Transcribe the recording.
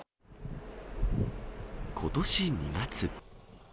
ことし２月。